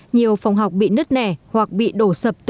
nhiều phòng học bị nứt nẻ hoặc bị bùn đất